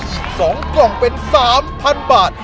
อีก๒กล่องเป็น๓๐๐๐บาท